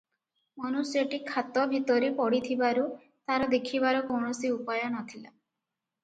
ମନୁଷ୍ୟଟି ଖାତ ଭିତରେ ପଡ଼ିଥିବାରୁ ତାର ଦେଖିବାର କୌଣସି ଉପାୟ ନ ଥିଲା ।